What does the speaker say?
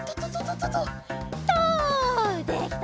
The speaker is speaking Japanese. できた！